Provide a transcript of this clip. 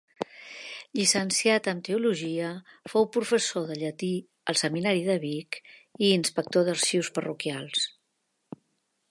Llicenciat en teologia, fou professor de llatí al seminari de Vic i inspector d'arxius parroquials.